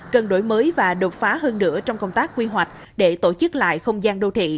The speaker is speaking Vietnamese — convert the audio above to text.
cần đổi mới và đột phá hơn nữa trong công tác quy hoạch để tổ chức lại không gian đô thị